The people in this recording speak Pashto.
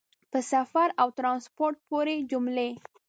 په سفر او ټرانسپورټ پورې جملې